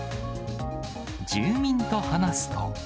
住民と話すと。